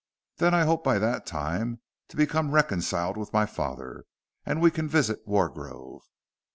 Then I hope by that time to become reconciled to my father, and we can visit Wargrove."